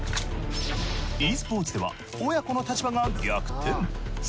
ｅスポーツでは親子の立場が逆転。